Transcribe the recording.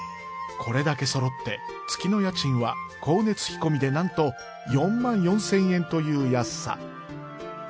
これだけそろって月の家賃は光熱費込みでなんと４万４千円という安さ。